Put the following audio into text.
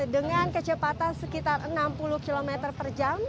dengan kecepatan sekitar enam puluh km per jam